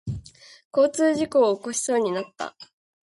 交通事故を起こしそうになった。